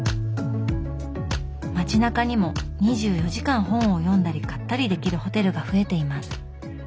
街なかにも２４時間本を読んだり買ったりできるホテルが増えています。